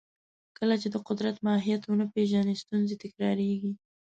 کله چې د قدرت ماهیت ونه پېژنو، ستونزې تکراریږي.